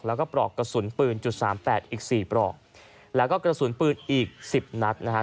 แล้วก็ปลอกกระสุนปืนจุดสามแปดอีกสี่ปลอกแล้วก็กระสุนปืนอีกสิบนัดนะฮะ